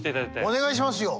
お願いしますよ。